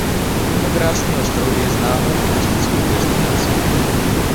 Tento krásný ostrov je známou turistickou destinací.